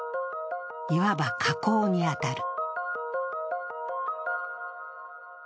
いわば河口に当たる。